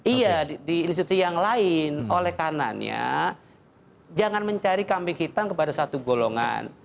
iya di institusi yang lain oleh kanannya jangan mencari kambing hitam kepada satu golongan